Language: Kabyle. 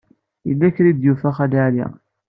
Yella kra ay d-yufa Xali Ɛli.